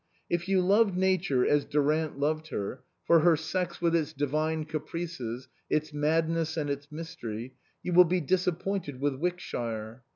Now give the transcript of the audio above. If you love Nature as Durant loved her, 42 INLAND for her sex with its divine caprices, its madness and its mystery, you will be disappointed with Wickshire.